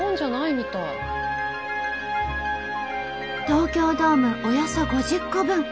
東京ドームおよそ５０個分。